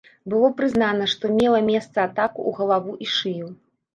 Было прызнана, што мела месца атака ў галаву і шыю.